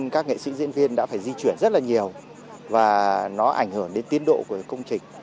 các nghệ sĩ diễn viên đã phải di chuyển rất là nhiều và nó ảnh hưởng đến tiến độ của công trình